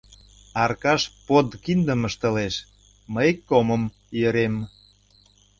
Аркаш подкиндым ыштылеш, мый комым йӧрем.